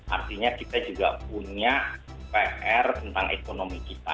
artinya kita juga punya pr tentang ekonomi kita